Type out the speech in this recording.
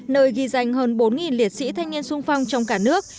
nơi ghi danh hơn bốn liệt sĩ thanh niên sung phong trong cả nước